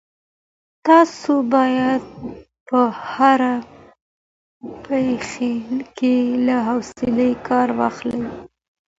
تاسو باید په هره پېښه کي له حوصلې کار واخلئ.